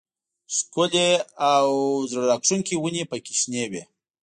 ښکلې او زړه راښکونکې ونې پکې شنې وې.